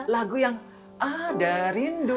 lagu yang ada rindu